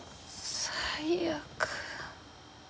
最悪。